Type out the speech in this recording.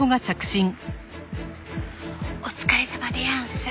「お疲れさまでやんす」